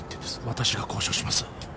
私が交渉します